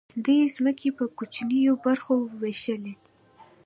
دوی ځمکې په کوچنیو برخو وویشلې.